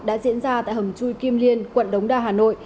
đã diễn ra tại hầm chui kim liên quận đống đa hà nội